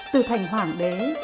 từ thành hoàng đế